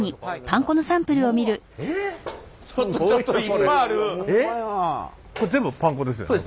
これ全部パン粉ですよね？